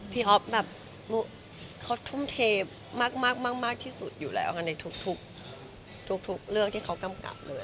อ๊อฟแบบเขาทุ่มเทมากที่สุดอยู่แล้วค่ะในทุกเรื่องที่เขากำกับเลย